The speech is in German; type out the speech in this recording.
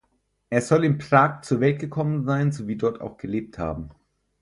Er soll in Prag zur Welt gekommen sein sowie dort auch gelebt haben.